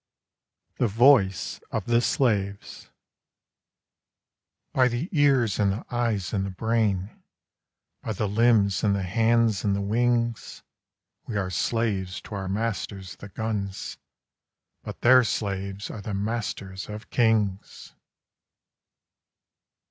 THE VOICE OF THE SLAVES By the ears and the eyes and the brain, By the limbs and the hands and the wings, We are slaves to our masters the guns; _But their slaves are the masters of kings!